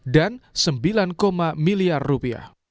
dan sembilan miliar rupiah